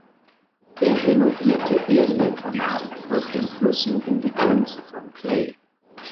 Der renovierte Eriekanal folgt den Flüssen um die Grenze von Clay.